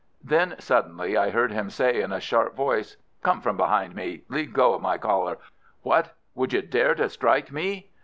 Then suddenly I heard him say in a sharp voice, "Come from behind me! Leave go of my collar! What! would you dare to strike me?"